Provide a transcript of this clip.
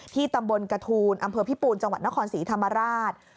ตำบลกระทูลอำเภอพิปูนจังหวัดนครศรีธรรมราช